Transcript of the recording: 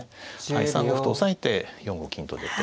３五歩と押さえて４五金と出て。